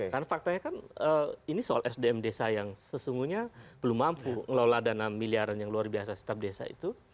karena faktanya kan ini soal sdm desa yang sesungguhnya belum mampu ngelola dana miliaran yang luar biasa setiap desa itu